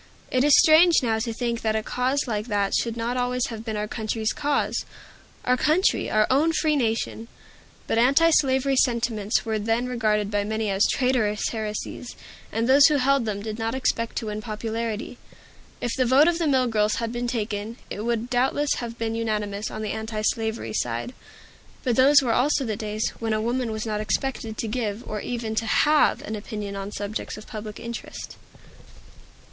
It is strange now to think that a cause like that should not always have been our country's cause, our country, our own free nation! But antislavery sentiments were then regarded by many as traitorous heresies; and those who held them did not expect to win popularity. If the vote of the mill girls had been taken, it would doubtless have been unanimous on the antislavery side. But those were also the days when a woman was not expected to give, or even to have, an opinion on subjects of public interest.